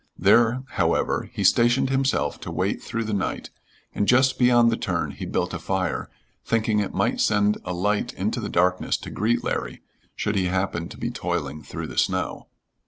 There, however, he stationed himself to wait through the night, and just beyond the turn he built a fire, thinking it might send a light into the darkness to greet Larry, should he happen to be toiling through the snow.